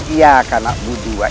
ya kanak buduwa